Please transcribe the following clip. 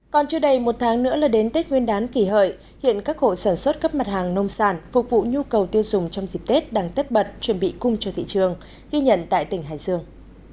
còn chưa đầy một tháng nữa là đến tết nguyên đán kỷ hợi hiện các hộ sản xuất cấp mặt hàng nông sản phục vụ nhu cầu tiêu dùng trong dịp tết đang tất bật chuẩn bị cung cho thị trường ghi nhận tại tỉnh hải dương